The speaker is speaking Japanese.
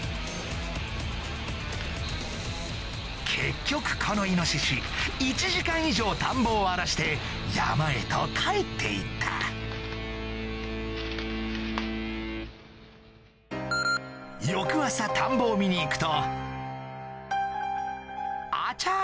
結局このイノシシ１時間以上田んぼを荒らして山へと帰って行った翌朝田んぼを見に行くとあちゃ